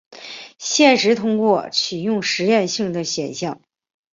现时通过启用实验性的选项。